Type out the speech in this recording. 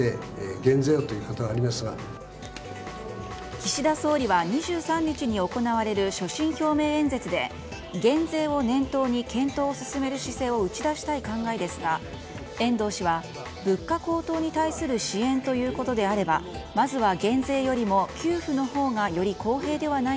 岸田総理は２３日に行われる所信表明演説で減税を念頭に検討を進める姿勢を打ち出したい考えですが遠藤氏は、物価高騰に対する支援ということであれば忙しいと胃にくるでしょ。